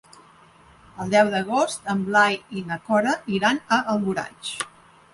El deu d'agost en Blai i na Cora iran a Alboraig.